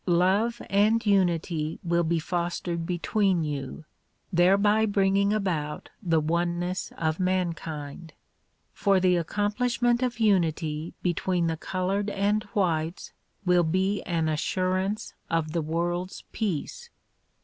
Love and unity will be fostered between you, thereby bringing about the oneness of mankind. For the accomplishment of unity between the colored and whites will be an assurance of the world's peace.